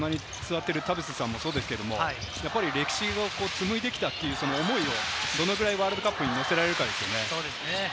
田臥さんもそうですけれど、歴史を紡いできた思いをどのくらいワールドカップに乗せられるかですよね。